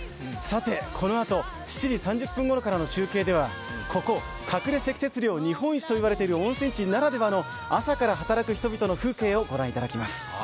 このあと７時３０分ごろからの中継ではここ隠れ積雪量日本一といわれている温泉地ならではの朝から働く人々の風景をご覧いただきます。